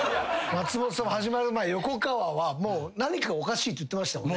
松本さんも始まる前横川は何かおかしいって言ってましたもんね。